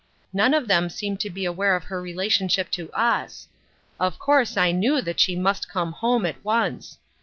None of them seemed to be aware of her 328 AT HOME. relationship to us. Of course I knew that she must come home at once.